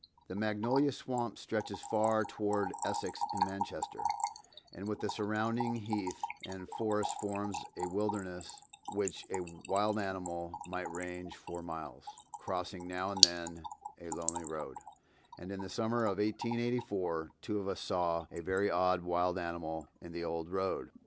The Magnolia Swamp stretches far toward Essex and Manchester, and with the surrounding heath and forest forms a wilderness which a wild animal might range for miles, crossing now and then a lonely road; and in the summer of 1884 two of us saw a very odd wild animal in the old road.